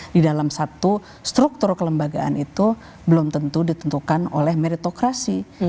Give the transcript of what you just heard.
di dalam satu struktur kelembagaan itu belum tentu ditentukan oleh meritokrasi